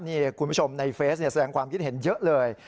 นี่คุณผู้ชมในเฟซแสดงความคิดเห็นเยอะเลย